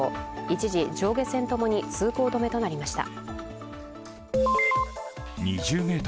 一時、上下線ともに通行止めとなりました。